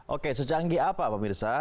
oke secanggih apa pak mirsa